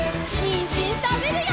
にんじんたべるよ！